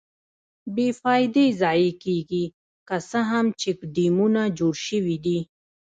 بې فایدې ضایع کېږي، که څه هم چیک ډیمونه جوړ شویدي.